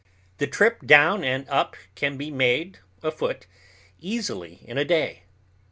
The trip down and up can be made afoot easily in a day.